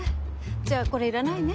じゃあこれいらないね。